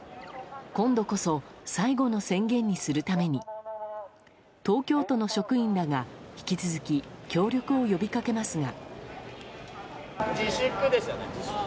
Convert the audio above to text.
今度こそ最後の宣言にするために東京都の職員らが引き続き協力を呼びかけますが。